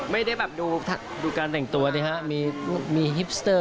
ไม่ได้แบบดูการแต่งตัวดีฮะมีฮิปสเตอร์